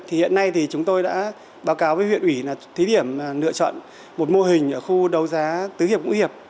hiện nay chúng tôi đã báo cáo với huyện ủy là thí điểm lựa chọn một mô hình ở khu đầu giá tứ hiệp mũi hiệp